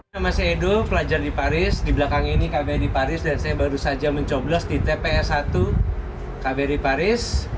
nama saya edo pelajar di paris di belakang ini kbri paris dan saya baru saja mencoblos di tps satu kbri paris